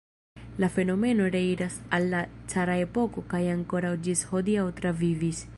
La fenomeno reiras al la cara epoko kaj ankoraŭ ĝis hodiaŭ travivis.